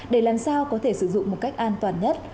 để làm sao có thể sử dụng một cách an toàn nhất